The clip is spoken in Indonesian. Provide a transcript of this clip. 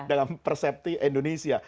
dalam persepti indonesia